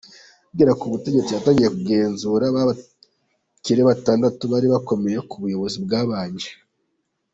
Akigera ku butegetsi yatangiye kugenzura ba bakire batandatu bari bakomeye ku buyobozi bwabanje.